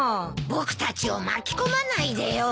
僕たちを巻き込まないでよ。